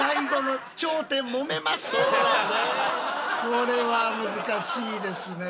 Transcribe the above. これは難しいですね。